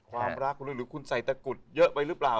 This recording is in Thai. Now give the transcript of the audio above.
ความรักหรือคุณใส่ตะกุดเยอะไปหรือเปล่า